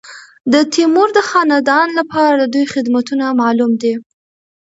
د تیمور د خاندان لپاره د دوی خدمتونه معلوم دي.